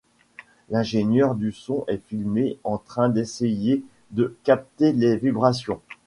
L'ingénieur du son est filmé en train d'essayer de capter les vibrations.